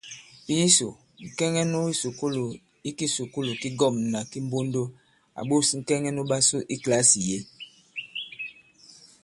Pǐsò, ŋ̀kɛŋɛ nu kisùkulù i kisùkulù ki ŋgɔ̂mnà ki Mbondo à ɓos ŋ̀kɛŋɛ nuɓasu nu kìlasì yě.